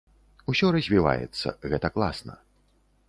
Усё развіваецца, гэта класна.